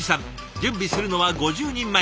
準備するのは５０人前。